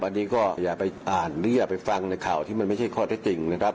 อันนี้ก็อยากไปอ่าเรียบไปฟังเนื้อข่าวที่มันไม่ใช่ข้อแรกจริงนะครับ